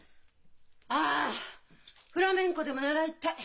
あフラメンコでも習いたい！